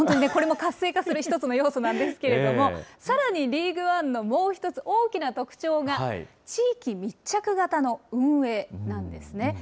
これも活性化する１つの要素なんですけれども、さらにリーグワンのもう一つ大きな特徴が、地域密着型の運営なんですね。